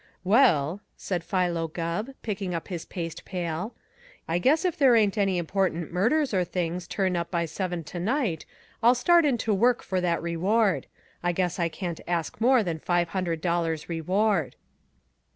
"Well," said Philo Gubb, picking up his paste pail, "I guess if there ain't any important murders or things turn up by seven to night, I'll start in to work for that reward. I guess I can't ask more than five dollars reward."